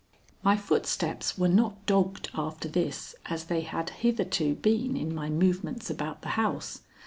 My footsteps were not dogged after this as they had hitherto been in my movements about the house.